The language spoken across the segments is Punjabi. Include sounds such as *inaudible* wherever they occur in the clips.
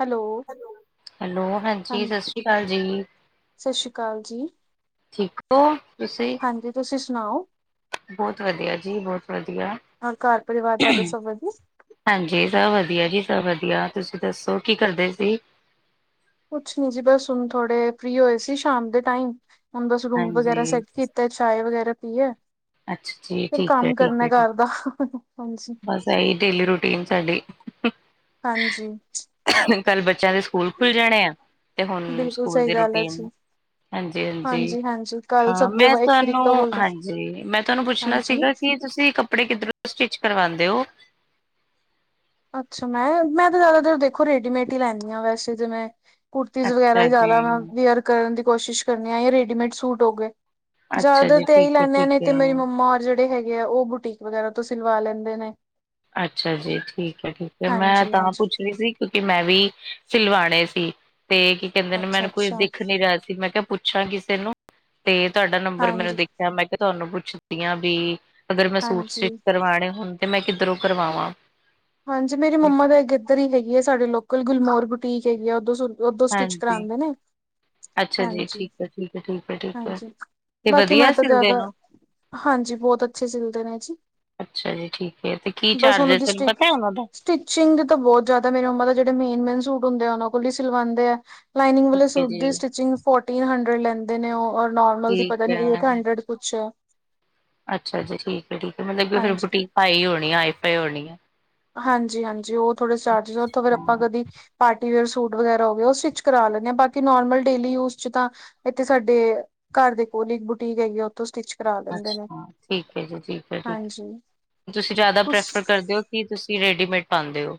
ਹੈਲੋ? ਹੈਲੋ। ਹੈਲੋ ਹਾਂਜੀ ਸਤਿ ਸ੍ਰੀ ਅਕਾਲ ਜੀ। ਸਤਿ ਸ਼੍ਰੀ ਅਕਾਲ ਜੀ ਠੀਕ ਹੋ ਤੁਸੀਂ? ਹਾਂਜੀ ਤੁਸੀਂ ਸੁਣਾਓ। ਬਹੁਤ ਵਧੀਆ ਜੀ। ਬਹੁਤ ਵਧੀਆ। ਔਰ ਘਰ ਪਰਿਵਾਰ ਤੁਹਾਡੇ ਸਭ ਵਧੀਆ ਹਾਂਜੀ ਸਭ ਵਧੀਆ ਜੀ ।ਸਭ ਵਧੀਆ। ਤੁਸੀਂ ਦੱਸੋ ਕੀ ਕਰਦੇ ਸੀ? ਕੁਛ ਨੀ ਜੀ ਬਸ । ਹੁਣ ਥੋੜੇ ਫਰੀ ਹੋਏ ਸੀ ਸ਼ਾਮ ਦੇ ਟਾਈਮ। ਹੁਣ ਬਸ ਰੂਮ ਵਗੈਰਾ ਹਾਂਜੀ ਸੈਟ ਕੀਤਾ। ਤੇ ਚਾਏ ਵਗੈਰਾ ਪੀਏ। ਅੱਛਾ ਜੀ ਫਿਰ ਠੀਕ ਹੈ ਕੰਮ ਠੀਕ ਕਰਨਾ ਹੈ ਠੀਕ ਘਰ ਦਾ। ਹਾਂਜੀ। ਬਸ ਇਹੀ ਡੇਲੀ ਰੂਟੀਨ ਸਾਡੀ। ਹਾਂਜੀ। ਕੱਲ ਬੱਚਿਆਂ ਦੇ ਸਕੂਲ ਖੁੱਲ ਜਾਣੇ ਆ ਤੇ ਹੁਣ ਬਿਲਕੁਲ ਸਕੂਲ ਸਹੀ ਦੀ ਗੱਲ ਹੈ ਰੂਟੀਨ ਜੀ ਹਾਂਜੀ, ਹਾਂਜੀ। ਹਾਂਜੀ ਕੱਲ ਹਾਂ, ਸਭ ਦੇ ਮੈਂ ਇੱਕ ਤਰੀਕ ਤੋਂ ਤੁਹਾਨੂੰ ਬੋਲਦਾ ਹਾਂਜੀ ਮੈਂ ਤੁਹਾਨੂੰ ਪੁੱਛਣਾ ਹਾਂਜੀ ਸੀਗਾ। ਕੀ ਤੁਸੀਂ ਕੱਪੜੇ ਕਿੱਧਰੋਂ ਸਟਿਚ ਕਰਵਾਉਂਦੇ ਔ। ਅੱਛਾ, ਮੈਂ ਮੈਂ ਤਾਂ ਜ਼ਿਆਦਾ ਦੇਰ ਦੇਖੋ ਰੇਡੀਮੇਡ ਹੀ ਲੈਂਦੀ ਹਾਂ ਵੈਸੇ ਤੇ ਮੈ ਕੁੁਰਤੀਸ ਵਗੈਰਾ ਅੱਛਾ ਹੀ ਜੀ ਜ਼ਿਆਦਾਅਰ ਕਰਨ ਦੀ ਕੋਸ਼ਿਸ਼ ਕਰਨੀ ਆ ਯਾਂ ਰੇਡੀਮੇਡ ਸੂਟ ਹੋ ਗਏ। ਅੱਛਾ ਜੀ ਜ਼ਿਆਦਾਤਰ ਤੇ ਇਹੀ ਠੀਕ ਹੈ ਲੈਂਨਦੇ ਨੇ ਠੀਕ ਤੇ ਮੇਰੀ ਹੈ। ਮੰਮਾ ਰ ਜਿਹੜੇ ਹੈਗੇ ਆ ਉਹ ਬੁਟੀਕ ਵਗੈਰਾ ਤੋਂ ਸਿਲਵਾ ਲੈਂਦੇ ਨੇ। ਅੱਛਾ ਜੀ। ਠੀਕ ਹੈ ਠੀਕ ਹੈ। ਮੈਂ ਹਾਂਜੀ ਤਾਂ ਹਾਂਜੀ ਪੁੱਛ ਰਹੀ ਸੀ ਕਿਉਂਕਿ ਮੈਂ ਵੀ ਸਿਲਵਾਣੇ ਸੀ ਤੇ ਕੀ ਕਹਿੰਦੇ ਨੇ, ਅੱਛਾ ਮੈਨੂੰ ਕੋਈ ਅੱਛਾ ਦਿਖ ਨੀ ਰਿਹਾ ਸੀ। ਮੈਂ ਕਿਹਾ ਪੁੱਛ ਪੁੱਛਾਂ ਕਿਸੇ ਨੂੰ, ਤੇ ਤੁਹਾਡਾ ਨੰਬਰ ਮੈਨੂੰ ਹਾਂਜੀ ਦੇਖਿਆ। ਮੈਂ ਕਿਹਾ ਤੁਹਾਨੂੰ ਪੁੱਛਦੀ ਆ ਬੀ ਅਗਰ ਮੈਂ ਸੂਟ ਹਾਂਜੀ। ਸਟਿਚ ਕਰਵਾਣੇ ਹੋਣ ਤੇ ਮੈਂ ਕਿੱਧਰੋਂ ਕਰਵਾਵਾਂ? ਹਾਂਜੀ ਮੇਰੀ ਮੰਮਾ ਤਾਂ ਇਕ ਇੱਧਰ ਹੀ ਗਈ ਹੈ। ਸਾਡੇ ਲੋਕਲ ਗੁਲਮੌਰ ਬੁਟੀਕ ਹੈਗੀ ਆ ।ਉਧਰ ਹੀ ਉਦੋਂ ਸਟਿਚ ਹਾਂਜੀ ਕਰਾਉਂਦੇ ਨੇ। ਅੱਛਾ ਜੀ ਹਾਂਜੀ ਠੀਕ ਹੈ ਠੀਕ ਹੈ ਠੀਕ ਹੈ ਠੀਕ ਹੈ ।ਹਾਂਜੀ ਤੇ ।ਬਾਕੀ ਮੈਂ ਵਧੀਆ ਤਾਂ ਸਿਲਦੇ ਜ਼ਿਆਦਾ ਨੇ ਹਾਂਜੀ ਬਹੁਤ ਅੱਛੇ ਸਿਲਦੇ ਨੇ ਜੀ। ਅੱਛਾ ਜੀ ਠੀਕ ਹੈ ਤੇ ਕੀ ਬਸ ਚੱਲ ਉਹਨਾਂ ਰਿਹਾ ਸੀ? ਦੀ ਤੈਨੂੰ ਸਟਿ ਪਤਾ ਹੈ ਉਹਨਾਂ ਦਾ? ਸਟਿਚਿੰਗ ਦੇ ਤਾਂ ਬਹੁਤ ਜਿਆਦਾ । ਮੇਰੇ ਮੰਮਾ ਤੇ ਜਿਹੜੇ ਮੇਨ ਮੇਨ ਸੂਟ ਹੁੰਦੇ ਆ, ਉਹਨਾਂ ਕੋਲ ਹੀ ਸਿਲਵਾਉਦੇ ਆ। ਲਾਈਨਿੰਗ ਠੀਕ ਵਾਲੇ ਹੈ ਸੂਟ ਜੀ ਦੀ ਸਟਿਚਿੰਗ ਫੋਰਟੀਨ ਹੰਡਰਡ ਲੈਂਦੇ ਨੇ ਉਹ, ਔਰ ਨੋਰਮਲ ਦੀ ਪਤਾ ਠੀਕ ਨਹੀਂ, ਹੈ ਏਟ ਹੰਡਰਡ। ਪੁੱਛ। ਅੱਛਾ ਜੀ। ਠੀਕ ਹੈ ਠੀਕ ਹੈ । ਮਤਲਬ ਫਿਰ ਹਾਂਜੀ। ਬੁਟੀਕ ਹਾਈ ਹੋਣੀ । ਹਾਈ ਫਾਈ ਹੋਣੀ। ਹਾਂਜੀ ਹਾਂਜੀ। ਉਹ ਥੋੜੇ ਚਾਰਜਿਸ, ਉਥੋਂ ਫਿਰ ਹੈ ਆਪਾਂ ਕਦੀ ਪਾਰਟੀ ਵਿਅਰ ਸੂਟ ਵਗੈਰਾ ਹੋ ਗਏ ਉਹ ਸਟਿੱਚ ਕਰਾ ਲੈਂਦੇ ਹਾਂ । ਬਾਕੀ ਨੋਰਮਲ ਡੇਲੀ ਯੂਜ ਚ ਤਾਂ ਇੱਥੇ ਸਾਡੇ ਘਰ ਦੇ ਕੋਲ ਇੱਕ ਬੁਟੀਕ ਹੈਗੀ ਆ ਉੱਥੋਂ ਸਟਿਚ ਕਰਾ ਲੈਂਦੇ ਨੇ ਅੱਛਾ ਠੀਕ ਹੈ ਜੀ ।ਠੀਕ ਹੈ ।ਠੀਕ ਹਾਂਜੀ । ਤੁਸੀਂ ਜ਼ਿਆਦਾ ਤੁਸ ਪ੍ਰੈਫਰ ਕਰਦੇ ਹੋ ਕੀ ਤੁਸੀਂ ਰੇਡੀਮੇਡ ਪਾਉਂਦੇ ਹੋ?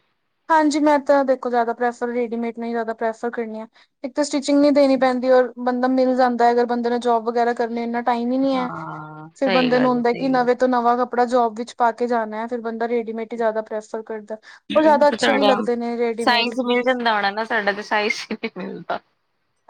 ਹਾਂਜੀ ਮੈਂ ਤਾਂ ਦੇਖੋ ਜ਼ਿਆਦਾ ਪ੍ਰੈਫਰ ਰੇਡੀਮੇਡ ਨੂੰ ਹੀ ਜ਼ਿਆਦਾ ਪ੍ਰੈਫਰ ਕਰਨੀ ਆ। ਇੱਕ ਤਾਂ ਸਟਿਚਿੰਗ ਨਹੀਂ ਦੇਣੀ ਪੈਂਦੀ ਔਰ ਬੰਦਾ ਮਿਲ ਜਾਂਦਾ ਹੈ ਅਗਰ ਬੰਦੇ ਨੇ ਜੋਬ ਵਗੈਰਾ ਕਰਨੀ ਇਨਾਂ ਟਾਈਮ ਹੀ ਨੀ ਹੈ ਹਾਂ ਫਿਰ ਸਹੀ ਬੰਦੇ ਨੂੰ ਗੱਲ ਹੈ ਹੁੰਦਾ ਕਿ ਸਹੀ ਗੱਲ ਨਵੇਂ ਨਵਾਂ ਕੱਪੜਾ ਜੋਬ ਵਿੱਚ ਪਾ ਕੇ ਜਾਣਾ ਹੈ ਫਿਰ ਬੰਦਾ ਰੇਡੀਮੇਡ ਹੀ ਜ਼ਿਆਦਾ ਪ੍ਰੈਫਰ ਕਰਦਾ। ਔਰ ਜ਼ਿਆਦਾ ਅੱਛੇ ਵੀ ਤੁਹਾਡਾ ਲੱਗਦੇ ਨੇ ਰੇਡੀਮੇਡ ਸਾਈਜ਼ ਮਿਲ ਜਾਂਦਾ ਹੋਣਾ ਨਾ ਸਾਡਾ ਤੇ ਸਾਈਜ਼ ਹੀ ਨਹੀਂ ਮਿਲਦਾ।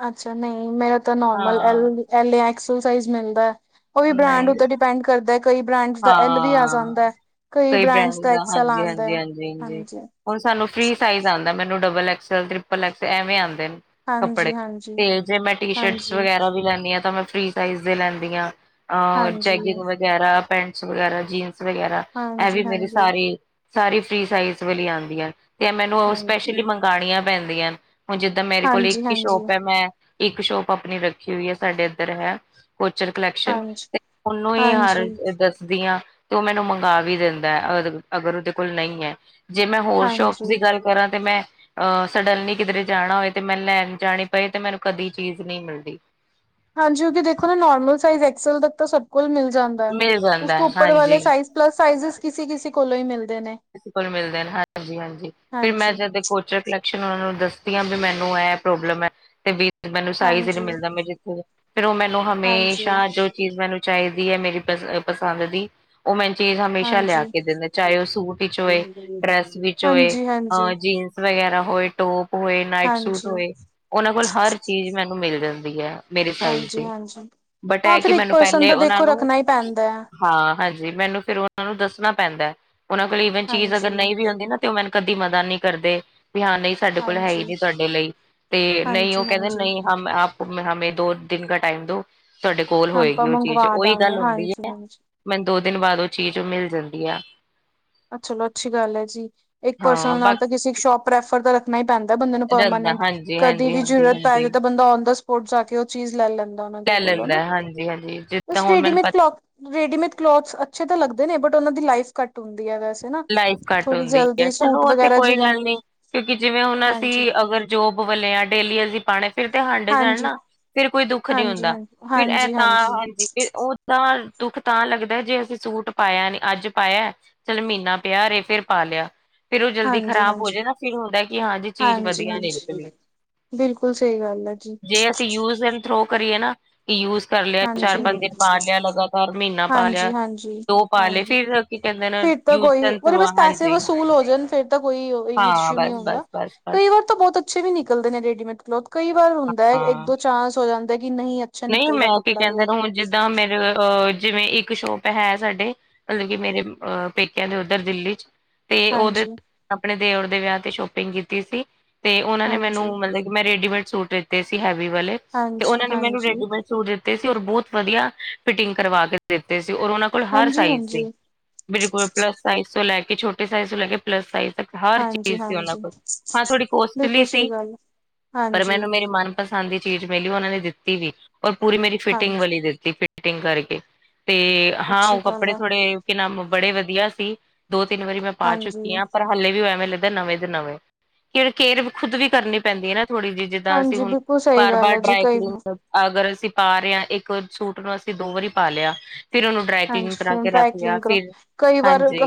ਅੱਛਾ । ਨਹੀਂ। ਮੇਰਾ ਤਾਂ ਨੋਰਮਲ ਹਾਂ ਐਲ ਯਾ ਐਕਸਲ ਸਾਇਜ ਮਿਲਦਾ । ਉਹ ਵੀ ਬ੍ਰਾਂਡ ਉੱਤੇ ਨਹੀਂ ਡਿਪੈਂਡ ਕਰਦਾ। ਕਈ ਬ੍ਰਾਂਡ ਦਾ ਐਲ ਵੀ ਆ ਹਾਂ ਜਾਂਦਾ ਹੈ। ਕਈ ਬ੍ਰਾਂਡਸ ਦਾ ਐਕਸਲ ਆਉਂਦਾ ਹੈ । ਹਾਂਜੀ। ਹੁਣ ਸਾਨੂੰ ਫਰੀ ਸਾਇੰਸ ਆੰਦਾ । ਮੈਂਨੂੰ ਢਬਲ ਐਕਸਲ ਟਰਿਪਲ ਐਕਸਲ ਐਵੇ ਆਉਂਦੇ ਨੇ। ਕਪੜੇ। ਹਾਂਜੀ, ਹਾਂਜੀ, ਤੇ ਜੇ ਮੈਂ ਟੀ ਸ਼ਟ ਹਾਂਜੀ, ਵਗੈਰਾ ਵੀ ਲੈਂਦੀ ਆ, ਮੈਂ ਫਰੀ ਸਾਇੰਸ ਦੇ ਹੀ ਲੈਂਨੀ ਆ। ਅ ਹਾਂਜੀ, ਹਾਂਜੀ, ਜੈਗਿੰਗ ਵਗੈਰਾ, ਪੈਂਟਸ ਵਗੈਰਾ, ਜੀਨਸ ਵਗੈਰਾ ਇਹ ਵੀ ਮੇਰੀ ਹਾਂਜੀ। ਸਾਰੀ ਸਾਰੀ ਫਰੀ ਸਾਈਜ਼ ਵਾਲੀ ਆਉਂਦੀਆਂ, ਤੇ ਮੈਨੂੰ ਉਹ ਹਾਂਜੀ, ਸਪੈਸ਼ਲੀ ਮੰਗਉਣੀਆਂ ਪੈਂਦੀਆਂ ਹਣ ਜ ਮੇਰੇ ਕੋਲ ਇੱਕ ਹਾਂਜੀ, ਹਾਂਜੀ, ਹੀ ਸ਼ੋਪ ਹੈ, ਮੈਂ ਇੱਕ ਸ਼ੋਪ ਆਪਣੀ ਰੱਖੀ ਹੋਈ ਹੈ, ਸਾਡੇ ਇੱਧਰ ਹੈ। ਕੋਚਰ ਕਲੈਕਸ਼ਨ ਹਾਂਜੀ, ਤੇ ਉਹਨੂੰ ਹੀ ਹਰ ਹਾਂਜੀ, ਦੱਸਦੀ ਆ। ਤੇ ਓ ਮੈਨੂੰ ਮੰਗਵਾ ਵੀ ਦਿੰਦਾ ਏ ਅਗਰ ਉਹਦੇ ਕੋਲ ਨਹੀਂ ਹੈ ਜੇ ਮੈਂ ਹੋਰ ਸ਼ੌਪ ਤੇ। ਹਾਂਜੀ। ਕਰਾਂ ਤੇ ਮੈਂ *inaudible* ਅਵ ਸਡਨ ਕਿਧਰੇ ਜਾਣਾ ਹੋਏ ਤੇ ਮੈਂ ਲੈਣ ਜਾਣੀ ਪਵੇ ਤੇ ਮੈਨੂੰ ਕਦੀ ਚੀਜ਼ ਨਹੀਂ ਮਿਲਦੀ। ਹਾਂਜੀ ਓਹ ਤਾਂ ਦੇਖੋ ਨਾ ਨਾਰਮਲ ਸਾਈਜ਼ ਐਕਸਐਲ ਤਾਂ ਸਭ ਕੋਲ ਮਿਲ ਜਾਂਦਾ ਏ, ਮਿਲ ਉਸ ਜਾਂਦਾ ਤੋਂ ਹੈ। ਉੱਪਰ ਵਾਲੇ। ਹਾਂਜੀ ਪਲੱਸ ਸਾਈਜ਼ ਕਿਸੇ ਕਿਸੇ ਕੋਲੋਂ ਹੀ ਮਿਲਦੇ ਨੇ। ਕੋਲ ਮਿਲਦੇ ਨੇ ਹਾਂਜੀ ਹਾਂਜੀ ਫਿਰ ਮੈਂ ਹਾਂਜੀ, ਜਦ। ਕੋਚਰ ਕਲੈਕਸ਼ਨ ਉਹਨਾਂ ਨੂੰ ਦੱਸਦੀ ਆ ਵੀ ਮੈਨੂੰ ਇਹ ਪ੍ਰੋਬਲਮ ਹੈ। ਮੈਨੂੰ ਸਾਈਜ਼ ਹੀ ਨੀ ਹਾਂਜੀ, ਮਿਲਦਾ ਮੈਂ ਜਿੱਥੇ ਫਿਰ ਉਹ ਮੈਨੂੰ ਹਾਂਜੀ, ਹਮੇਸ਼ਾ। ਚੀਜ਼ ਮੈਨੂੰ ਚਾਹੀਦੀ ਏ ਮੇਰੀ ਪਸੰਦ ਦੀ। ਉਹ ਮੈਨੂੰ ਚੀਜ਼ ਹਮੇਸ਼ਾ ਹਾਂਜੀ। ਲਿਆ ਕੇ ਦਿੰਦੇ, ਚਾਹੇ ਉਹ ਸੂਟ ਵਿੱਚ ਹੋਵੇ ਡਰੈੱਸ ਵਿੱਚ ਹੋਵੇ। ਹਾਂਜੀ ਹਾਂਜੀ ਜੀਨਸ ਵਗੈਰਾ ਹੋਏ, ਟੋਪ ਹੋਏ, ਨਾਈਟ ਸੂਟ ਹਾਂਜੀ ਹੋਏ। ਉਹਨਾਂ ਕੋਲ ਹਰ ਚੀਜ਼ ਮੈਨੂੰ ਮਿਲ ਜਾਂਦੀ ਹੈ। ਮੇਰੇ ਸਾਈਜ ਹਾਂਜੀ ਦੀ। ਹਾਂਜੀ ਬਟ ਹਾਂ ਇਹ ਫਿਰ ਕਿ ਇੱਕ ਮੈਨੂੰ ਪਰਸਨ ਪਹਿਲੇ ਤਾਂ ਉਹਨਾਂ ਦੇਖੋ ਨੂੰ ਰੱਖਣਾ ਹੀ ਪੈਂਦਾ ਹੈ ਹਾਂ ਹਾਂਜੀ। ਮੈਨੂੰ ਫਿਰ ਉਹਨਾਂ ਨੂੰ ਦੱਸਣਾ ਪੈਂਦਾ। ਵਨ ਚੀਜ਼ ਹਾਂਜੀ ਅਗਰ ਨਹੀਂ ਵੀ ਹੁੰਦੀ ਨਾ ਤੇ ਉਹ ਮੈਨੂੰ ਕਦੀ ਮਨਾ ਨੀ ਕਰਦੇ । ਵੀ ਹਾਂ ਨਹੀਂ ਸਾਡੇ ਕੋਲ ਹੈ ਹੀ ਹਾਂਜੀ ਨੀ ਤੁਹਾਡੇ ਲਈ ਤੇ ਨਹੀਂ ਉਹ ਹਾਂਜੀ ਕਹਿੰਦੇ ਹਾਂਜੀ ਨਹੀਂ। ਹਮ ਆਪ ਹਮੇ ਦੋ ਦਿਨ ਕਾ ਟਾਈਮ ਦੋ ਤੁਹਾਡੇ ਕੋਲ ਆਪਾਂ ਹੋਏਗੀ ਉਹ ਚੀਜ਼ ਮੰਗਵਾ ਉਓਹੀ ਦਾਂਗੇ ਗੱਲ ਹੁੰਦੀ ਹਾਂਜੀ ਹੈ। ਹਾਂਜੀ ਮੈਨੂੰ ਦੋ ਦਿਨ ਬਾਅਦ ਉਹ ਚੀਜ਼ ਮਿਲ ਜਾਂਦੀ ਆ। ਚਲੋ ਅੱਛੀ ਗੱਲ ਹੈ ਜੀ, ਇੱਕ ਹਾਂ ਪਰਸਨ ਬਸ ਨਾਲ ਤਾਂ ਕਿਸੇ ਸ਼ੋਪ। ਪ੍ਰੈਫਰ ਤਾਂ ਰੱਖਣਾ ਹੀ ਪੈਂਦਾ ਬੰਦੇ ਨੂੰ ਰਹਿੰਦਾ ਪਰਮਾਨੈਂਟ, ਕਦੀ ਹਾਂਜੀ-ਹਾਂਜੀ, ਵੀ ਜ਼ਰੂਰਤ ਪੈ ਜਾਵੇ ਹਾਂਜੀ-ਹਾਂਜੀ। ਤਾਂ ਬੰਦਾ ਆਨ ਦ ਸਪੌਟ। ਚੀਜ਼ ਲੈ ਲੈਂਦਾ ਉਹਨਾਂ ਦੇ ਲੈ ਕੋਲੋਂ ਨਾ ਲੈਂਦਾ ਹਾਂਜੀ-ਹਾਂਜੀ ਬ ਜਿੱਦਾਂ ਹੁਣ ਮੈਨੂੰ ਪਤਾ ਰੇਡੀਮੇਡ ਕਲੋਥ *inaudible* ਰੇਡੀਮੇਡ ਕਲੋਥਸ ਅੱਛੇ ਤਾਂ ਲੱਗਦੇ ਨੇ ਬਟ ਉਹਨਾਂ ਦੀ ਲਾਈਫ ਘੱਟ ਹੁੰਦੀ ਏ। ਲਾਈਫ ਘੱਟ ਹੁੰਦੀ ਏ ਚਲੋ ਉਹ ਤਾਂ ਵਗੈਰਾ ਕੋਈ ਜਿਵੇਂ ਗੱਲ ਨਹੀਂ ਕਿਉਂਕਿ ਜਿਵੇਂ ਹੁਣ ਹਾਂਜੀ ਅਸੀਂ। ਜੋਬ ਵਾਲੇ ਆ ਡੇਲੀ ਅਸੀਂ ਪਾ। ਫਿਰ ਤਾਂ ਹੰਡ ਜਾਣ ਹਾਂਜੀ ਨਾ ਫਿਰ ਕੋਈ ਦੁੱਖ ਨੀ ਹਾਂਜੀ ਹੁੰਦਾ ਹਾਂਜੀ ਫਿਰ ਇਹ ਹਾਂਜੀ ਤਾਂ ਹਾਂਜੀ ਫ ਉਹ। ਹਾਂ ਦੁੱਖ ਤਾਂ ਲੱਗਦਾ ਏ ਜਦ ਅਸੀਂ ਸੂਟ ਪਾਇਆ ਨੀ ਅੱਜ ਪਾਇਆ ਚੱਲ ਮਹੀਨਾ। ਪਿਆ ਰਹੇ ਫਿਰ ਪਲਿਆ ਫਿਰ ਉਹ ਜਲਦੀ ਹਾਂਜੀ ਖਰਾਬ ਹੋ ਹਾਂਜੀ ਜਾਏ ਨਾ ਫਿਰ। ਕਿ ਹਾਂਜੀ ਚੀਜ਼ ਵਧੀਆ ਨੇ ਬਿਲਕੁਲ ਸਹੀ ਗੱਲ ਹੈ ਜੀ ਯੂਜ਼ ਐਂਡ ਥ੍ਰੋ ਕਰੀਏ ਨਾ ਕਿ ਯੂਜ਼ ਕਰ ਲਿਆ ਚਾਰ ਹਾਂਜੀ ਪੰਜ ਦਿਨ ਪਾ ਲਿਆ ਲਗਾਤਾਰ। ਪਰ ਮਹੀਨਾ ਪਾ ਲਿਆ ਹਾਂਜੀ ਹਾਂਜੀ ਦੋ ਪਾ ਲਏ ਹਾਂਜੀ ਫਿਰ ਕੀ ਕਹਿੰਦੇ ਨੇ। ਫਿਰ ਤਾਂ ਐਂਡ ਉਹਦੇ ਥਰੋ ਬਸ ਪੈਸੇ ਹਾਂਜੀ ਵਸੂਲ ਹੋ ਜੇ ਫਿਰ ਤਾਂ ਕੋਈ ਹਾਂ ਇਸ਼ੂ ਨਹੀਂ ਬਸ ਬਸ ਹੋਊਗਾ। ਬਸ ਬਸ ਤਾਂ ਬਹੁਤ ਅੱਛੇ ਵੀ ਨਿਕਲਦੇ ਨੇ ਰੈਡੀਮੇਡ ਕਲੋਥਸ, ਕਈ ਵਾਰ ਹੁੰਦਾ ਏ ਇੱਕ ਹਾਂ ਦੋ ਚਾਂਸ ਹੋ ਜਾਂਦਾ ਕਿ ਨਹੀਂ। ਅੱਛਾ ਨਹੀਂ ਮੈਂ ਨਿਕਲਦਾ ਕੀ ਕੱਪੜਾ ਕਹਿੰਦੇ, ਵ ਹੁਣ ਜਿਵੇਂ ਮੇਰੇ ਜਿਵੇਂ ਇੱਕ ਸ਼ੌਪ ਹੈ ਸਾਡੇ। ਮਤਲਬ ਕਿ ਮੇਰੇ ਪੇਕਿਆਂ ਦੇ ਉੱਧਰ ਦਿੱਲੀ 'ਚ। ਤੇ ਉਹਦੇ ਹਾਂਜੀ ਆਪਣੇ ਦਿਓਰ ਦੇ ਵਿਆਹ ਤੇ ਸ਼ੌਪਿੰਗ ਕੀਤੀ ਸੀ ਤੇ ਉਹਨਾਂ ਨੇ ਮੈਨੂੰ ਹਾਂਜੀ ਮਤਲਬ। ਮੈਂ ਰੈਡੀਮੇਡ ਸੂਟ ਦਿੱਤੇ ਸੀ ਹੈਵੀ ਵਾਲੇ ਹਾਂਜੀ ਤੇ ਉਹਨਾਂ ਨੇ ਮੈਨੂੰ। ਹਾਂਜੀ ਰੈਡੀਮੇਡ ਸੂਟ ਦਿੱਤੇ ਸੀ ਔਰ ਬਹੁਤ ਵਧੀਆ ਫਿਟਿੰਗ ਕਰਵਾ ਕੇ ਦਿੱਤੇ ਸੀ ਔਰ ਉਹਨਾਂ। ਔਰ ਹਰ ਹਾਂਜੀ ਸਾਈਜ਼ ਹਾਂਜੀ ਦੇ ਬਿਲਕੁਲ, ਪਲੱਸ ਸਾਈਜ਼ ਤੋਂ ਲੈ ਕੇ ਛੋਟੇ ਸਾਈਜ਼ ਤੋਂ ਲੈ ਕੇ ਪਲੱਸ ਸਾਈਜ਼ ਤੱਕ। ਹਰ ਹਾਂਜੀ ਚੀਜ਼ ਸੀ ਉਹਨਾਂ ਹਾਂਜੀ ਕੋਲ, ਹਾਂ ਥੋੜ੍ਹੀ ਕਾਸਟਲੀ ਬਿਲਕੁਲ ਸਹੀ ਸੀ ਗੱਲ ਪਰ ਹਾਂਜੀ ਮੈਨੂੰ ਮੇਰੇ ਮਨ। ਪਸੰਦ ਦੀ ਚੀਜ਼ ਮਿਲੀ, ਉਹਨਾਂ ਨੇ ਦਿੱਤੀ ਵੀ ਔਰ ਪੂਰੀ ਮੇਰੀ ਫਿਟਿੰਗ ਹਾਂਜੀ ਵਾਲੀ ਦਿੱਤੀ। ਫਿਟਿੰਗ ਕਰਕੇ ਤੇ ਹਾਂ ਅੱਛੀ ਉਹ ਗੱਲ ਕੱਪੜੇ ਹੈ ਥੋੜ੍ਹੇ ਕਿ ਨਾਮ ਬੜੇ ਵਧੀਆ ਸੀ। ਦੋ ਤਿੰਨ ਵਾਰੀ ਮੈਂ ਪਾ ਹਾਂਜੀ ਚੁੱਕੀ ਆਂ ਪਰ। ਹਾਲੇ ਵੀ ਹੋਏ ਨੇ ਨਵੇਂ ਦੇ ਨਵੇਂ, ਕੇਅਰ ਖੁਦ ਵੀ ਕਰਨੀ ਪੈਂਦੀ ਏ ਨਾ ਥੋੜੀ ਜਿਹੀ। ਜਿੱਦਾਂ ਅਸੀਂ ਹਾਂਜੀ ਹੁਣ ਬਿਲਕੁਲ ਸਹੀ ਬਾਰ ਗੱਲ ਬਾਰ ਹੈ ਜੀ ਡਰਾਈ ਕਈ ਕਲੀਨ। ਅਗਰ ਅਸੀਂ ਪਾ ਰਹੇ ਹਾਂ ਇੱਕ ਸੂਟ ਨੂੰ, ਅਸੀਂ ਦੋ ਵਾਰੀ ਪਾ ਲਿਆ ਫਿਰ ਉਹਨੂੰ। ਡਰਾਈ *inaudible* ਹੈਂਡ ਕਲੀਨ ਕਰਾ ਕੇ ਰੱਖ ਲਿਆ ਫਿਰ ਹਾਂਜੀ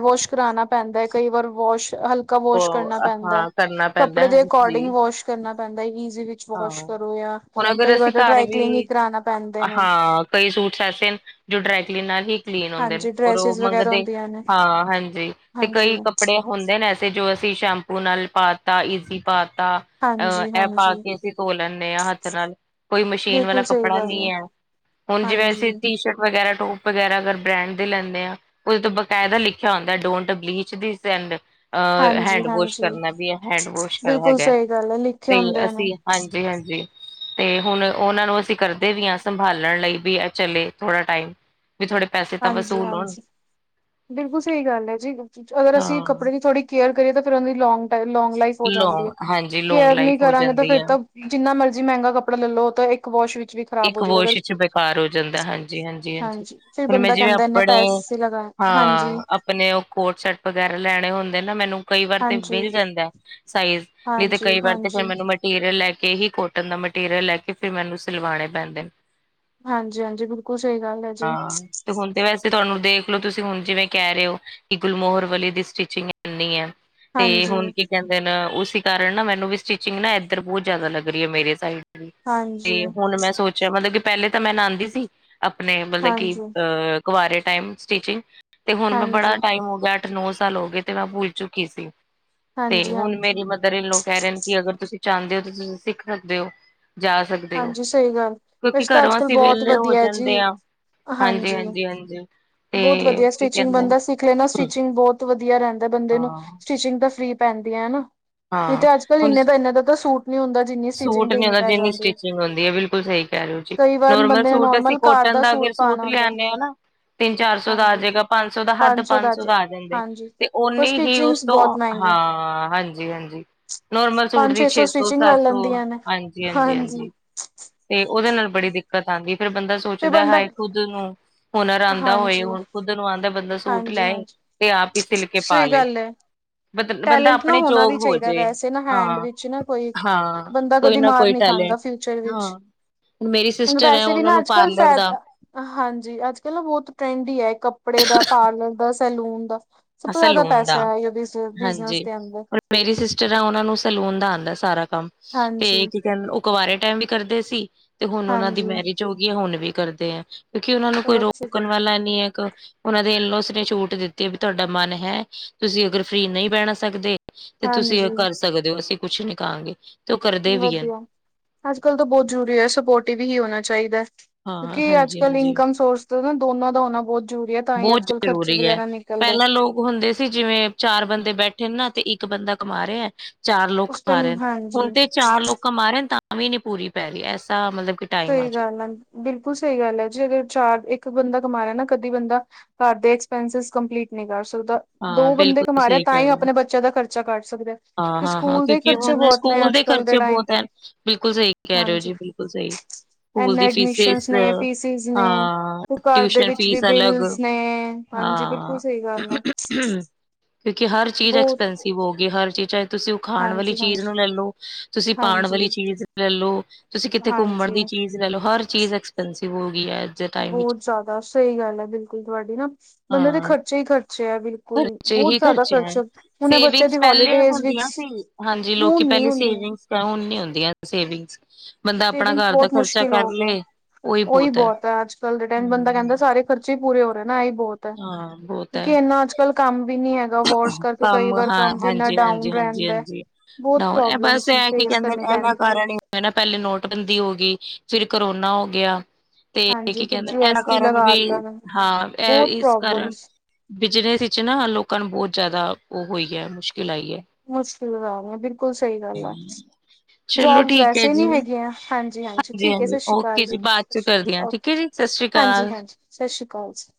ਵਾਸ਼ ਕਰਾਣਾ ਪੈਂਦਾ ਕਈ ਵਾਰ ਵਾਸ਼ ਹੇਲ ਵਾਸ਼ ਉਹ ਕਰਨਾ ਪੈਂਦਾ ਹੈ ਹਾਂ ਕਰਨਾ ਪੈਂਦਾ ਕੱਪੜੇ ਦੇ ਅਕੋਰਡਿੰਗ ਹਾਂਜੀ ਵੋਸ਼ ਕਰਨਾ ਪੈਂਦਾ ਹੈ ਵਿੱਚ ਵਾਸ਼ ਹਾਂ ਕਰੋ ਜਾਂ ਹੁਣ ਅਗਰ ਕਈ ਅਸੀਂ ਵਾਰ ਤਾਂ ਘਰ ਟ੍ਰੈਕਲਿੰਗ ਹੀ ਵੀ ਕਰਾਉਣਾ ਪੈਂਦੇ ਨੇ। ਹਾਂ ਕਈ ਸੂਟਸ ਐਸੇ ਨੇ ਜੋ ਡਰੈਕਲੀਨ ਨਾਲ ਹੀ ਕਲੀਨ ਹੁੰਦੇ ਨੇ ਹਾਂਜੀ ਔਰ ਉਹ ਡਰੈਸਿਸ ਵਗੈਰਾ ਮੰਗਦੇ ਹੁੰਦੀਆਂ ਨੇ ਹਾਂ ਹਾਂਜੀ ਤੇ ਹਾਂਜੀ ਕਈ ਕੱਪੜੇ ਹੁੰਦੇ ਨੇ ਐਸੇ ਜੋ ਅਸੀਂ ਸ਼ੈਂਪੂ ਨਾਲ ਪਾ ਤਾ ਈਜ਼ੀ ਪਾ ਤਾ। ਹਾਂਜੀ ਹਾਂਜੀ, ਕਿ ਅਸੀਂ ਧੋ ਲੈਂਦੇ ਹਾਂ ਹੱਥ ਨਾਲ ਕੋਈ ਮਸ਼ੀਨ ਵਾਲਾ ਬਿਲਕੁਲ ਸਹੀ ਕੱਪੜਾ ਗੱਲ ਨੀ ਹੈ ਐ। ਹੁਣ ਜਿਵੇਂ ਹਾਂਜੀ ਅਸੀਂ ਟੀ ਸ਼ਰਟ ਵਗੈਰਾ ਟੋ ਪ ਵਗੈਰਾ ਅਗਰ ਬ੍ਰੈਂਡ ਦੇ ਲੈਂਦੇ ਆ ਉਹਦੇ ਤੋਂ ਬਕਾਇਦਾ ਲਿਖਿਆ ਹੁੰਦਾ ਡੋਂਟ ਬਲੀਚ ਅਹ ਹਾਂਜੀ ਹੈਂਡ ਵੋਸ਼ ਹਾਂਜੀ ਕਰਨਾ ਵੀ ਹੈ ਹੈਂਡਵੋਸ਼ ਬਿਲਕੁਲ ਹੈਗਾ ਸਹੀ ਗੱਲ ਹੈ ਲਿਖੇ ਤੇ ਹੁੰਦੇ ਨੇ ਅਸੀਂ ਹਾਂਜੀ ਹਾਂਜੀ, ਤੇ ਹੁਣ ਉਹਨਾਂ ਨੂੰ ਅਸੀਂ ਕਰਦੇ ਵੀ ਆ ਸੰਭਾਲਣ ਲਈ ਵੀ ਚਲੇ ਥੋੜਾ ਟਾਈਮ। ਵੀ ਥੋੜੇ ਪੈਸੇ ਤਾਂ ਹਾਂਜੀ ਵਸੂਲ ਹਾਂਜੀ ਹੋਣ। ਬਿਲਕੁਲ ਸਹੀ ਗੱਲ ਹੈ ਜੀ, ਅਗਰ ਅਸੀਂ ਹਾਂ ਕੱਪੜੇ ਦੀ ਥੋੜ੍ਹੀ ਕੇਅਰ ਕਰੀਏ ਤਾਂ ਫਿਰ ਉਹਦੀ ਲੌਂਗ ਲਾਈਫ। ਹੋ ਜਾਂਦੀ ਲੋਂਗ ਹੈ, ਹਾਂਜੀ ਲੋਂਗ ਕੇਅਰ ਲਾਈਫ ਨਹੀਂ ਹੋ ਕਰਾਂਗੇ ਤਾਂ ਜਾਂਦੀ ਫਿਰ ਆ ਤਾਂ। ਜਿੰਨਾ ਮਰਜ਼ੀ ਮਹਿੰਗਾ ਕੱਪੜਾ ਲੈ ਲਓ ਤਾਂ ਇੱਕ ਵਾਸ਼ ਵਿੱਚ ਵੀ। ਖ਼ਰਾਬ ਹੋ ਇੱਕ ਜਾਏਗਾ ਵਾਸ਼ ਅਗਰ 'ਚ ਬੇਕਾਰ ਹੋ ਜਾਂਦਾ, ਹਾਂ ਜੀ ਹਾਂ ਜੀ ਹਾਂ ਜੀ, ਹਾਂਜੀ ਫਿਰ ਹੁਣ ਮੈਂ ਬੰਦਾ ਜਿਵੇਂ ਕਹਿੰਦਾ ਇੰਨੇ ਆਪਣੇ। ਪੈਸੇ ਲਗਾਏ ਹਾਂਜੀ ਹਾਂ। ਆਪਣੇ ਉਹ ਕੋਟ ਸੈਟ ਵਗੈਰਾ ਲੈਣੇ ਹੁੰਦੇ ਨੇ ਨਾ, ਮੈਨੂੰ ਕਈ ਵਾਰ ਤਾਂ ਹਾਂਜੀ ਮਿਲ ਜਾਂਦਾ ਸਾਈਜ਼। ਵੀ ਤੇ ਹਾਂਜੀ ਕਈ ਵਾਰ ਤੇ ਫਿਰ ਹਾਂਜੀ ਮੈਨੂੰ। ਮ ਹਾਂਜੀ ਹਾਂਜੀ, ਬਿਲਕੁਲ ਸਹੀ ਗੱਲ ਹੈ ਜੀ। ਤੇ ਹੁਣ ਤੇ ਵੈਸੇ ਤੁਹਾਨੂੰ ਦੇਖ ਲੋ ਤੁਸੀਂ ਹੁਣ ਜਿਵੇਂ ਕਹਿ ਰਹੇ ਹੋ। ਕਿ ਗੁਲਮੋਹਰ ਵਾਲੀ ਦੀ ਸਟਿਚਿੰਗ ਕਰਨੀ ਐ। ਤੇ ਹਾਂਜੀ ਹੁਣ ਕੀ ਕਹਿੰਦੇ ਨਾ ਉਸੀ ਕਾਰਨ ਨਾ ਮੈਨੂੰ ਵੀ ਸਟਿਚਿੰਗ ਨਾ ਇਧਰ ਬਹੁਤ ਜ਼ਿਆਦਾ ਲੱਗ ਰਹੀ ਆ ਮੇਰੇ ਸਾਈਡ। ਹਾਂਜੀ ਹਾਂਜੀ ਤੇ ਹੁਣ ਮੈਂ ਸੋਚਿਆ ਮਤਲਬ ਕਿ ਪਹਿਲੇ ਤਾਂ ਮੈਂ ਨਾਂਉਦੀ ਸੀ। ਆਪਣੇ ਮਤਲਬ ਕਿ ਹਾਂਜੀ ਅ ਕੁਵਾਰੇ ਟਾਈਮ ਸਟੀਿਚਿੰਗ ਤੇ ਹੁਣ ਮੈਂ ਹਾਂਜੀ ਬੜਾ ਟਾਈਮ ਹੋ ਗਿਆ। ਨੌ ਸਾਲ ਹੋ ਗਏ ਤੇ ਮੈਂ ਭੁਲ ਚੁੱਕੀ ਸੀ ਤੇ ਹੁਣ ਹਾਂਜੀ ਮੇਰੀ ਮਤਲਬ ਇੱਧਰ ਲੋਕ ਕਹਿ ਰਹੇ ਨੇ ਕਿ ਅਗਰ ਤੁਸੀਂ ਚਾਹੁੰਦੇ ਹੋ ਤੁਸੀਂ ਸਿੱਖ ਸਕਦੇ ਹੋ ਜਾਂ। ਹਾਂਜੀ ਸਹੀ ਗੱਲ। ਕਿਉਂਕਿ ਵੈਸੇ ਤਾਂ ਅੱਜ ਘਰੋਂ ਕੱਲ੍ਹ ਅਸੀਂ ਬਹੁਤ ਵਿੇਹਲੇ ਹੋ ਵਧੀਆ ਹੈ ਜੀ ਜਾਂਦੇ ਆ ਹਾਂਜੀ ਹਾਂਜੀ ਹਾਂਜੀ, ਬਹੁਤ ਤੇ ਵਧੀਆ ਕੀ ਸਟਿਚਿੰਗ ਕਹਿੰਦੇ ਬੰਦਾ ਸਿੱਖ ਲੈਣਾ ਸਟਿਚਿੰਗ ਬਹੁਤ ਵਧੀਆ ਰਹਿੰਦਾ ਬੰਦੇ ਨੂੰ। ਹਾਂ, ਸਟਿਚਿੰਗ ਤਾਂ ਫਰੀ ਪੈਂਦੀਆਂ ਹਨਾ ਨਹੀਂ ਹਾਂ ਤੇ ਅੱਜ ਕੱਲ ਹੁਣ ਇਨ ਦਾ ਇਨਾਂ ਦਾ ਤਾਂ ਸੂਟ ਨੀ ਹੁੰਦਾ। ਜਿੰਨੀ ਸਟੀਚਿੰਗ ਸੂਟ ਨੀ ਦੇਣੀ ਹੁੰਦਾ ਪੈ ਜਿੰਨੀ ਜਾਂਦੀ ਐ। ਸਟਿਚਿੰਗ ਹੁੰਦੀ ਐ ਬਿਲਕੁਲ ਸਹੀ ਕਹਿ ਰਹੇ ਹੋ ਜੀ ਨੋਰਮਲ ਬੰਦੇ ਨੇ ਸੂਟ ਅਸੀਂ ਨੋਰਮਲ ਘਰ ਕੋਟਨ ਦਾ ਅਰ ਸੂਟ ਪਾਉਣਾ ਹੁੰਦਾ ਲਿਆਦੇ ਹਾਂ ਨਾ। ਤਿੰਨ ਚਾਰ ਸੌ ਦਾ ਆ ਹਾਂਜੀ ਜਾਏਗਾ ਪੰਜ ਸੌ ਦਾ ਹੱਦ ਪੰਜ ਸੌ ਦਾ ਆ ਜਾਂਦੇ ਹਾਂਜੀ ਤੇ ਪਰ ਓਨੀ ਹੀ ਉਸ। ਸਟਿਚਿੰਗਸ ਬਹੁਤ ਮਹਿੰਗੀਆਂ ਹਾਂ, ਹਾਂਜੀ ਹਾਂਜੀ ਨੋਰਮਲ ਸੂਟ ਪੰਜ ਦੀ ਛੇ ਸੌ ਸਟਿਚਿੰਗ ਲੈ ਸੱਤ ਸੌ ਲੈਂਦੀਆਂ ਨੇ ਹਾਂਜੀ ਹਾਂਜੀ ਹਾਂਜੀ, *inaudible* ਤੇ ਉਹਦੇ ਨਾਲ ਬੜੀ ਦਿੱਕਤ ਆਉਂਦੀ ਫਿਰ ਬੰਦਾ ਫਿਰ ਸੋਚਦਾ ਬੰਦਾ ਹਾਏ ਖੁਦ ਨੂੰ। ਹੁਨਰ ਆਂਦਾ ਹੋਏ ਹਾਂਜੀ ਹੁਣ ਖੁੱਦ ਨੂੰ ਆਂਦਾ ਬੰਦਾ ਸੂਟ ਹਾਂਜੀ ਲੈ ਹਾਂਜੀ ਤੇ ਆਪ ਹੀ ਸਿਲ ਕੇ ਪਾ ਸਹੀ ਲਏ। ਗੱਲ ਹੈ ਬ ਬੰਦਾ ਟੈਲੈਂਟ ਨਾ ਆਪਣੇ ਹੋਣਾ ਯੋਗ ਵੀ ਚਾਹੀਦਾ ਹੋਜੇ ਵੈਸੇ ਨਾ ਹੈਂਡ ਹਾਂ ਵਿੱਚ ਨਾ ਕੋਈ ਇੱਕ ਹਾਂ। ਬੰਦਾ ਕੋਈ ਕਦੀ ਨਾ ਮਾਰ ਕੋਈ ਨੀ ਟੈਲੈਂਟ ਖਾਂਦਾ ਫਿਊਚਰ ਵਿੱਚ ਹਾਂ, ਹੁਣ ਮੇਰੀ ਸਿਸਟਰ ਹੈ ਵੈਸੇ ਵੀ ਉਹਨਾਂ ਨਾ ਨੂੰ ਅੱਜ ਕੱਲ ਪਾਰਲਰ ਦਾ, ਫਾਇਦਾ ਹਾਂਜੀ, ਅੱਜ ਕੱਲ ਬਹੁਤ ਟਰੈਂਡ ਈ ਐ ਕੱਪੜੇ ਦਾ ਪਾਰਲਰ ਦਾ ਸੈਲੂਨ ਦਾ। ਸਭ ਤੋਂ ਜ਼ਿਆਦਾ ਸੈਲੂਨ ਦਾ ਪੈਸਾ ਐ ਬਿਜਨਸ ਹਾਂਜੀ। ਦੇ ਅੰਦਰ। ਹੁਣ ਮੇਰੀ ਸਿਸਟਰ ਆ ਉਹਨਾਂ ਨੂੰ ਸੈਲੂਨ ਦਾ ਆਂਦਾ ਸਾਰਾ ਕੰਮ ਹਾਂਜੀ ਤੇ। ਕਹ ਉਹ ਕਵਾਰੇ ਟਾਈਮ ਵੀ ਕਰਦੇ ਸੀ ਤੇ ਹੁਣ ਉਹਨਾਂ ਦੀ ਹਾਂਜੀ ਮੈਰਿਜ ਹੋ ਗਈ ਹੈ ਹੁਣ ਵੀ ਕਰਦੇ ਆ। ਕਿਉਂਕਿ ਉਹਨਾ ਨੂੰ ਕੋਈ ਚਲੋ ਅੱਛੀ ਰੋਕਣ ਗੱਲ ਵਾਲਾ ਨੀ ਐ ਉਹਨਾ ਦੇਲੋਂ ਉਸਨੇ ਛੂਟ ਦਿੱਤੀ। ਤੁਹਾਡਾ ਮਨ ਹੈ ਤੁਸੀਂ ਅਗਰ ਫਰੀ ਨਹੀਂ ਬਹਿਣ ਸਕਦੇ ਤੇ ਤੁਸੀਂ ਹਾਂਜੀ ਕਰ। ਸਕਦੇ ਹੋ ਅਸੀਂ ਕੁੱਛ ਨੀ ਕਹਾਂਗੇ। ਤੇ ਉਹ ਕਰਦੇ ਵੀ ਹਨ ਵਧੀਆ ਅੱਜ ਕੱਲ ਤਾਂ ਬਹੁਤ ਜ਼ਰੂਰੀ ਐ ਸਪੋਰਟਿਵ ਹੀ ਹੋਣਾ ਚਾਹੀਦਾ। ਹਾਂ ਕਿਉਂਕਿ ਅੱਜ ਕੱਲ੍ਹ ਹਾਂਜੀ-ਹਾਂਜੀ। ਇਨਕਮ ਸੋਰਸ ਨਾ ਦੋਨਾਂ ਦਾ ਹੋਣਾ ਬਹੁਤ ਜ਼ਰੂਰੀ ਹੈ ਤਾਂ ਹੀ ਬਹੁਤ ਅੱਜ ਕਲ ਖਰਚੇ ਜ਼ਰੂਰੀ ਹੈ। ਵਗੈਰਾ ਨਹੀਂ ਪਹਿਲਾਂ ਲੋਕ ਹੁੰਦੇ ਸੀ ਜਿਵੇਂ ਚਾਰ ਬੰਦੇ ਬੈਠੇ ਨੇ ਨਾ ਤੇ ਇੱਕ ਬੰਦਾ ਕਮਾ ਰਿਹਾ ਚਾਰ ਲੋਕ ਉਸ ਮ ਰਹੇ ਟਾਈਮ ਹੁਣ ਹਾਂਜੀ ਤੇ ਚਾਰ ਲੋਕਾਂ ਮਾਰੇ ਤਾਂ ਵੀ ਨੀ ਪੂਰੀ ਪੈ ਰਹੀ ਐਸਾ ਮਤਲਬ ਕਿ ਟਾਈਮ ਸਹੀ ਚੁੱਕਾ। ਗੱਲ ਆ ਬਿਲਕੁਲ ਸਹੀ ਗੱਲ ਹੈ ਜੀ ਅਰ ਚਾਰ ਇੱਕ ਬੰਦਾ ਕਮਾ ਰਿਹਾ ਨਾ ਕਦੀ ਬੰਦਾ ਘਰ ਦੇ ਐਕਸਪੈਂਸ ਕੰਪਲੀਟ ਨਹੀਂ ਕਰ ਸਕਦਾ ਹਾਂ ਦੋ ਬੰਦੇ ਬਿਲਕੁਲ ਕਮਾ ਰਹਾ ਸਹੀ ਤਾਂ ਕਹਿ ਹੀ ਰਹੇ ਹੋ ਆਪਣੇ ਬੱਚਿਆਂ ਦਾ ਖਰਚਾ ਬੱਚਾ ਕੱਢ ਸਕਦੇ ਆ ਹਾਂ ਹਾਂ ਹਾਂ ਕਿਉਂਕਿ ਹੁਣ ਸਕੂਲ ਦੇ ਕੱਲ ਖਰਚੇ ਟਾਈਮ ਬਹੁਤ ਹਨ ਬਿਲਕੁਲ ਸਹੀ ਕਹਿ ਰਹੇ ਹੋ ਹਾਂਜੀ ਜੀ ਬ ਬਿਲਕੁਲ ਸਹੀ ਸਕੂਲ ਇਨੇ ਦੀ ਐਡਮਿਸ਼ਨ ਫੀਸੀਸ ਨੇ ਫੀਸਿਸ ਨੇ ਹਾਂ ਤੇ ਘਰ ਦੇ ਟਿਊਸ਼ਨ ਵਿੱਚ ਵੀ ਫੀਸ ਅਲੱਗ ਬਿਲਸ ਨੇ ਹਾਂਜੀ ਬਿਲਕੁਲ ਹਾਂ ਸਹੀ ਗੱਲ ਆ ਕਿਉਂਕਿ ਹਰ ਚੀਜ਼ ਬਹੁਤ ਐਕਸਪੈਂਸਿਵ ਹੋ ਗ ਹਰ ਚੀਜ਼ ਚਾਹੇ ਤੁਸੀਂ ਉਹ ਖਾਣ ਵਾਲੀ ਹਾਂਜੀ ਚੀਜ਼ ਹਾਂਜੀ ਨੂੰ ਲੈ ਲੋ ਤੁਸੀਂ ਪਾਉਣ ਹਾਂਜੀ ਵਾਲੀ ਚੀਜ਼ ਲੈ ਲਓ ਤੁਸੀਂ ਕਿੱਥੇ ਘੁੰਮਣ ਹਾਂਜੀ ਦੀ ਚੀਜ਼ ਲੈ ਲ ਹਰ ਚੀਜ਼ ਐਕਸਪੈਂਸਿਵ ਹੋ ਗਈ ਐ। ਬਹੁਤ ਜ਼ਿਆਦਾ ਸਹੀ ਗੱਲ ਐ ਬਿਲਕੁਲ ਤੁਹਾਡੀ ਨਾ। ਬੰਦੇ ਦੇ ਹਾਂ ਖਰਚੇ ਹੀ ਖਰਚੇ ਬਿਲਕੁਲ ਖਰਚੇ ਬਹੁਤ ਹੀ ਜ਼ਿਆਦਾ ਹੈ ਖਰਚੇ ਹੁਣ ਇਹ ਬੱਚਿਆਂ ਸੇਵਿੰਗਸ ਦੀ ਪਹਿਲੇ ਹੋਲੀਡੇ। ਹੁੰਦੀਆਂ ਸੀ ਹਾਂਜੀ ਲੋਕੀ ਪਹਿਲੇ ਸੇਵਿੰਗਸ ਹੁਣ ਨੀ ਹੁੰਦੀਆਂ ਸੇਵਿੰਗਸ। ਬੰਦਾ ਆਪਣਾ ਸੇਵਿੰਗਸ ਘਰ ਦਾ ਬਹੁਤ ਖਰਚਾ ਮੁਸ਼ਕਿਲ ਕਰ ਹੋ ਗਏ ਲਏ ਉਹੀ ਹੈ ਬਹੁਤ ਅੱਜ ਕਲ ਰਿਟੈਨ ਹਮ, ਬੰਦਾ ਕਹਿੰਦਾ ਸਾਰੇ। ਖਰਚੇ ਹੀ ਪੂਰੇ ਹੋ ਰਹੇ ਨਾਹੀ ਬਹੁਤ ਹੈ ਹਾਂ ਬਹੁਤ ਕਿਉਂਕਿ ਹੈ ਇੰਨਾ ਅੱਜ ਕੱਲ ਕੰਮ ਵੀ ਨੀ ਹੈਗਾ ਵਸ ਕਰਕੇ ਕਈ ਕੰਮ ਵਾਰ ਹਾਂ ਕੰਮ ਵੀ ਇਨਾ ਹਾਂਜੀ ਡਾਊਨ ਹਾਂਜੀ ਹਾਂਜੀ ਰਹਿੰਦਾ ਹਾਂਜੀ ਬਹੁਤ ਡਾਊਨ ਪ੍ਰੋਬਲਮ ਸੇਸ ਕਰਨੀ ਪੈਂਦੀ ਸੀ। ਮ ਨਾ ਪਹਿਲੇ ਨੋਟਬੰਦੀ ਹੋ ਗਈ ਫਿਰ ਕਰੋਨਾ ਹੋ ਗਿਆ ਤੇ ਹਾਂਜੀ ਕੀ ਫਿਰ ਕਹਿੰਦੇ ਜੀ ਇਹਨਾਂ ਐਸ ਟੀ ਕਾਰਨ ਲਗਾ ਵੀ ਤਾ ਹਾਂ ਇਹ ਬਹੁਤ ਇਸ ਕਾਰਨ ਪ੍ਰੋਬਲਮਸ ਬਿਜਨਸ ਵਿੱਚ ਨਾ ਲੋਕਾਂ ਨੂੰ ਬਹੁਤ ਜ਼ਿਆਦਾ ਉਹ ਹੋਈ ਹੈ ਮੁਸ਼ਕਿਲ ਆਈ ਹੈ ਮੁਸ ਬਿਲਕੁਲ ਸਹੀ ਗੱਲ ਆ ਚਲੋ ਜੋਬਸ ਠੀਕ ਹੈ ਵੈਸੇ ਜੀ ਨੀ ਹਾਂਜੀ ਹੈਗੀਆਂ ਹਾਂਜੀ ਹਾਂਜੀ ਠੀਕ ਹੈ ਸਤਿ ਸ੍ਰੀ ਓਕੇ ਅਕਾਲ ਜੀ ਬਾਅਦ ਚ ਕਰਦੀ ਹਾਂ ਠੀਕ ਹੈ ਜੀ ਸਤਿ ਸ੍ਰੀ ਹਾਂਜੀ ਅਕਾਲ ਹਾਂਜੀ ਸਤਿ ਸ਼੍ਰੀ ਅਕਾਲ ਜੀ